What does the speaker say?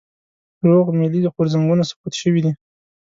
روغ ملي غورځنګونه سقوط شوي دي.